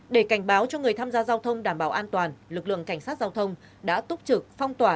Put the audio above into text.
để cảnh báo cho người tham gia giao thông đảm bảo an toàn lực lượng cảnh sát giao thông đã túc trực phong tỏa